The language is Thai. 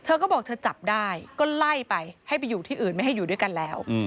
เธอก็บอกเธอจับได้ก็ไล่ไปให้ไปอยู่ที่อื่นไม่ให้อยู่ด้วยกันแล้ว